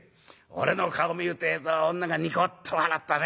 「俺の顔見るてえと女がニコッと笑ったね。